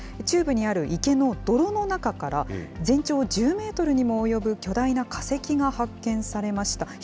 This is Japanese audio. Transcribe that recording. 中部にある池の泥の中から、全長１０メートルにも及ぶ巨大な化石が発見されました。